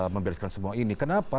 membereskan semua ini kenapa